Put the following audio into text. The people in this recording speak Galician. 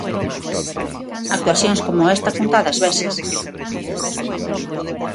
Actuacións como esta, contadas veces.